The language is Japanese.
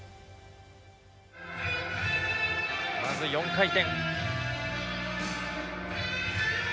まず４回転。